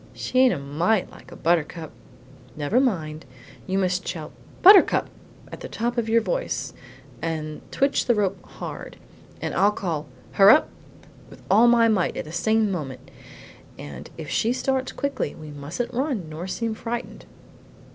She ain't a mite like a buttercup." "Never mind; you must shout 'Buttercup!' at the top of your voice, and twitch the rope HARD; then I'll call, 'Hurrap!' with all my might at the same moment. And if she starts quickly we mustn't run nor seem frightened!"